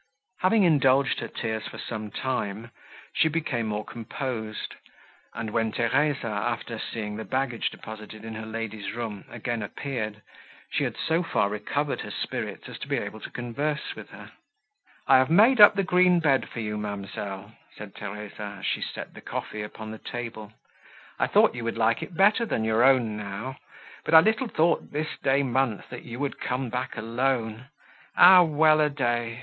Having indulged her tears for some time, she became more composed; and, when Theresa, after seeing the baggage deposited in her lady's room, again appeared, she had so far recovered her spirits, as to be able to converse with her. "I have made up the green bed for you, ma'amselle," said Theresa, as she set the coffee upon the table. "I thought you would like it better than your own now; but I little thought this day month, that you would come back alone. A well a day!